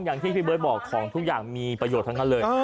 อย่างที่พี่เบิร์ตบอกของทุกอย่างมีประโยชน์ทั้งนั้นเลย